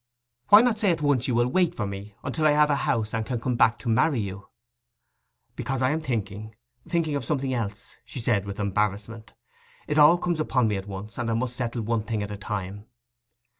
'Why not say at once you will wait for me until I have a house and can come back to marry you.' 'Because I am thinking—thinking of something else,' she said with embarrassment. 'It all comes upon me at once, and I must settle one thing at a time.